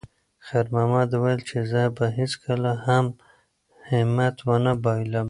خیر محمد وویل چې زه به هیڅکله هم همت ونه بایللم.